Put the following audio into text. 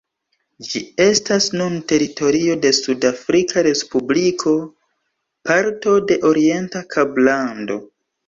Ĝi estas nun teritorio de Sud-Afrika Respubliko, parto de Orienta Kablando.